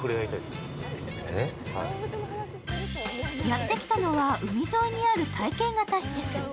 やってきたのは、海沿いにある体験型施設。